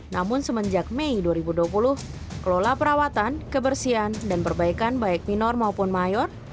namun semenjak mei dua ribu dua puluh kelola perawatan kebersihan dan perbaikan baik minor maupun mayor